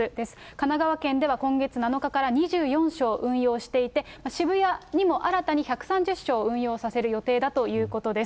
神奈川県では今月７日から２４床運用していて、渋谷にも新たに１３０床、運用させる予定だということです。